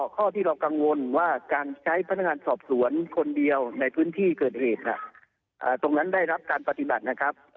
ข้อที่เรากังวลว่าการใช้พนักงานสอบสวนคนเดียวในพื้นที่เกิดเหตุตรงนั้นได้รับการปฏิบัตินะครับ